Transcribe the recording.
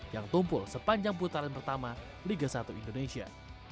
yang tumpul sepanjang putaran pertama liga satu indonesia